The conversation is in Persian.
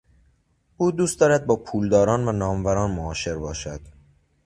او دوست دارد با پولداران و ناموران معاشر باشد.